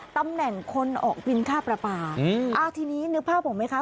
ตำแหน่งคนออกบินค่าประปาอืมอ่าทีนี้นึกภาพผมไหมคะ